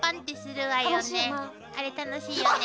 あれ楽しいよね。